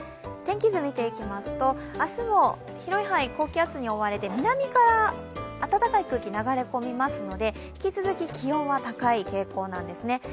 天気図見ていきますと、明日も広い範囲、高気圧に覆われて、南から暖かい空気流れ込みますので引き続き、気温は高い傾向なんですね。